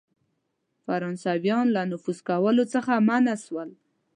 فرانسیویان له نفوذ کولو څخه منع سول.